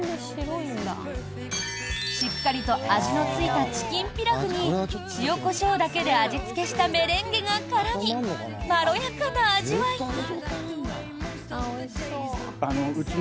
しっかりと味のついたチキンピラフに塩コショウだけで味付けしたメレンゲが絡みまろやかな味わいに。